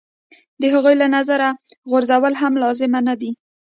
د هغوی له نظره غورځول هم لازم نه دي.